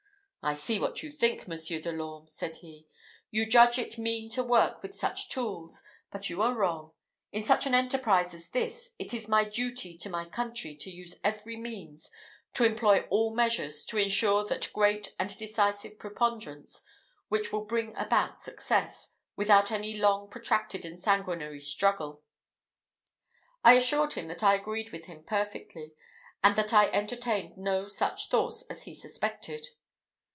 "I see what you think, Monsieur de l'Orme," said he; "you judge it mean to work with such tools; but you are wrong. In such an enterprise as this, it is my duty to my country to use every means, to employ all measures, to insure that great and decisive preponderance, which will bring about success, without any long protracted and sanguinary struggle." I assured him that I agreed with him perfectly, and that I entertained no such thoughts as he suspected.